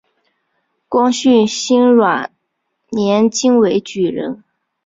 光绪辛卯年京闱举人。